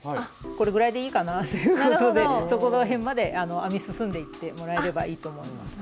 これぐらいでいいかなということでそこら辺まで編み進んでいってもらえればいいと思います。